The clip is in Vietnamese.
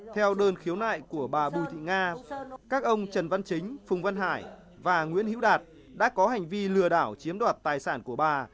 theo đơn khiếu nại của bà bùi thị nga các ông trần văn chính phùng văn hải và nguyễn hữu đạt đã có hành vi lừa đảo chiếm đoạt tài sản của bà